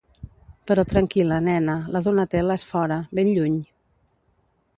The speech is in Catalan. Però tranquil·la, nena, la Donatella és fora, ben lluny!